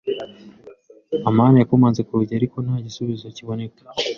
amani yakomanze ku rugi, ariko nta gisubizo kiboneka.